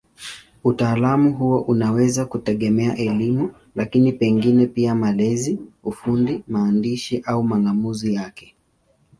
Utaalamu huo unaweza kutegemea elimu, lakini pengine pia malezi, ufundi, maandishi au mang'amuzi yake.